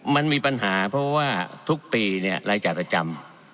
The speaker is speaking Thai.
มันมีปัญหาเพราะว่าทุกปีเนี่ยรายจ่ายประจำ